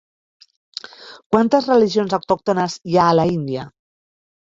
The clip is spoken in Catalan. Quantes religions autòctones hi ha a l'Índia?